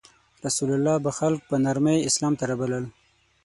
رسول الله به خلک په نرمۍ اسلام ته رابلل.